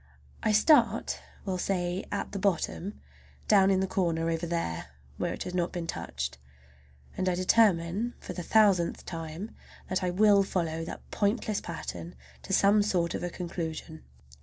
I start, we'll say, at the bottom, down in the corner over there where it has not been touched, and I determine for the thousandth time that I will follow that pointless pattern to some sort of a conclusion.